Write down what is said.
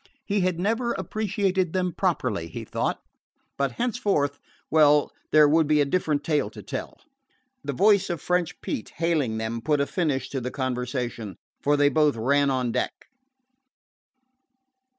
He had never appreciated them properly, he thought, but henceforth well, there would be a different tale to tell. The voice of French Pete hailing them put a finish to the conversation, for they both ran on deck.